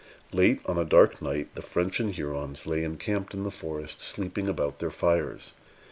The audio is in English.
Late on a dark night, the French and Hurons lay encamped in the forest, sleeping about their fires.